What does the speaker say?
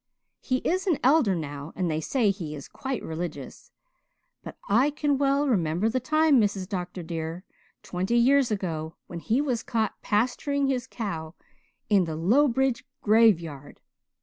He is an elder now and they say he is very religious; but I can well remember the time, Mrs. Dr. dear, twenty years ago, when he was caught pasturing his cow in the Lowbridge graveyard.